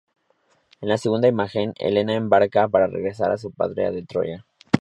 En la segunda imagen, Helena embarca para regresar a su patria de Troya.